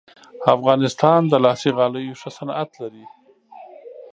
افغانستان د لاسي غالیو ښه صنعت لري